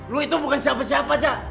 lu itu bukan siapa siapa cak